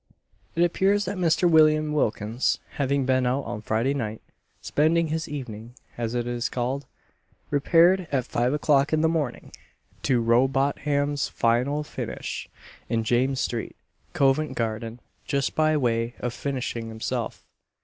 It appears that Mr. William Wilkins, having been out on Friday night spending his evening, as it is called repaired at five o'clock in the morning to Rowbotham's "final finish," in James street, Covent garden, just by way of finishing himself.